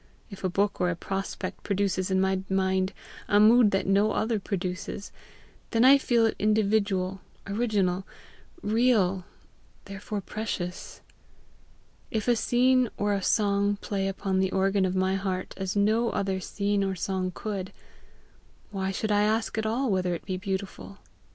If a book or a prospect produces in my mind a mood that no other produces, then I feel it individual, original, real, therefore precious. If a scene or a song play upon the organ of my heart as no other scene or song could, why should I ask at all whether it be beautiful?